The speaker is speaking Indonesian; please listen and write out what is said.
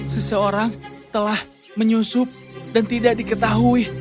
seseorang telah menyusup dan tidak diketahui